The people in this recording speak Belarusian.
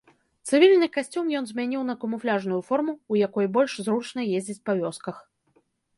Цывільны касцюм ён змяніў на камуфляжную форму, у якой больш зручна ездзіць па вёсках.